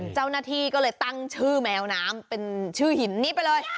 เจ้าหน้าที่ก็เลยตั้งชื่อแมวน้ำเป็นชื่อหินนี้ไปเลย